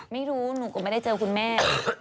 ไม่รู้หนูก็ไม่ได้เจอคุณแม่